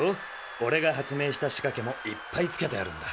おれがはつめいしたしかけもいっぱいつけてあるんだ。